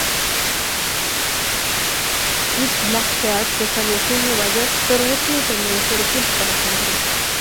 Kid Blackheart se estableció en Nueva York, pero no pudo permanecer oculto para siempre.